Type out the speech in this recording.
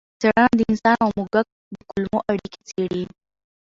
څېړنه د انسان او موږک د کولمو اړیکې څېړي.